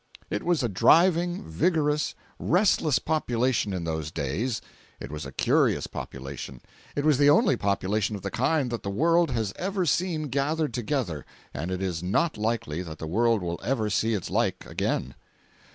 It was a driving, vigorous, restless population in those days. It was a curious population. It was the only population of the kind that the world has ever seen gathered together, and it is not likely that the world will ever see its like again.